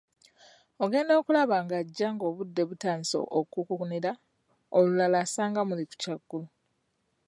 "Ogenda okulaba ng'ajja ng'obudde butandise okukunira, olulala asanga muli ku kyaggulo."